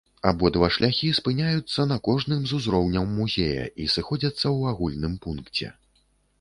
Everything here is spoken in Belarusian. Абодва шляхі спыняюцца на кожным з узроўняў музея і сыходзяцца ў агульным пункце.